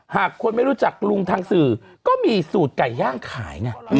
หากคนไม่รู้จักลุงทางสื่อก็มีสูตรไก่ย่างขายไง